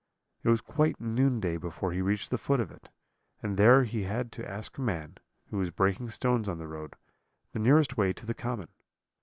It was quite noonday before he reached the foot of it; and there he had to ask a man, who was breaking stones on the road, the nearest way to the common.